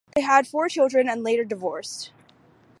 They had four children and later divorced.